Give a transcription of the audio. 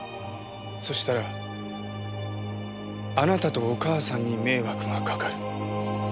そしたらあなたとお母さんに迷惑がかかる。